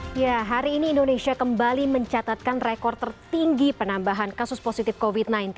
hai ya hari ini indonesia kembali mencatatkan rekor tertinggi penambahan kasus positif covid sembilan belas